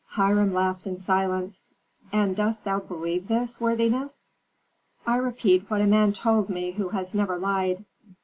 Hiram laughed in silence. "And dost thou believe this, worthiness?" "I repeat what a man told me who has never lied."